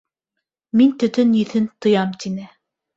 — Мин төтөн еҫен тоям, — тине.